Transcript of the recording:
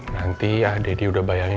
nanti ah deddy udah bayangin